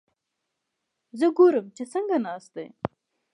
زه ګورم چې څنګه ناست دي؟